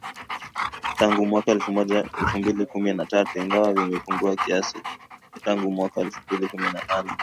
Tangu mwaka elfu mbili kumi na tatu ingawa vimepungua kasi tangu mwaka elfu mbili kumi na nane.